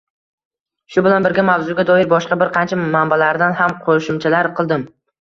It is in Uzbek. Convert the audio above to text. Shu bilan birga mavzuga doir boshqa bir qancha manbalardan ham qo‘shimchalar qildim